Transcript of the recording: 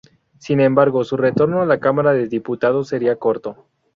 Sin embargo, su retorno a la Cámara de Diputados sería corto.